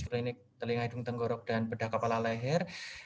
klinik telinga hidung tenggorok dan bedah kepala leher